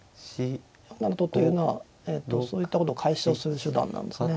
４七とというのはそういったことを解消する手段なんですね。